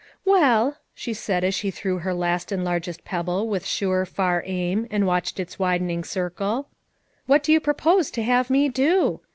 "Well," she said as she threw her last and largest pebble with sure far aim and watched its widening circle, "what do you propose to have me do